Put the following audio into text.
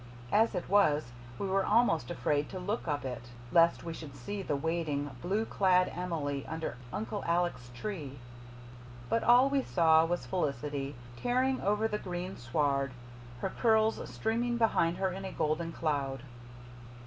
As it was, we were almost afraid to look up it, lest we should see the waiting, blue clad Emily under Uncle Alec's tree. But all we saw was Felicity, tearing over the green sward, her curls streaming behind her in a golden cloud.